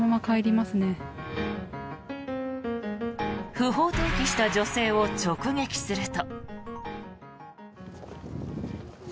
不法投棄した女性を直撃すると。